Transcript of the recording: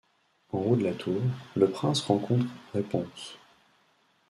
En haut de la tour, Le prince rencontre Raiponce.